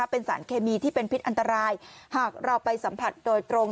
เป็นสารเคมีที่เป็นพิษอันตรายหากเราไปสัมผัสโดยตรง